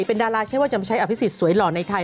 เป็นดาราใช่ว่าจะมาใช้อภิษฎสวยหล่อในไทย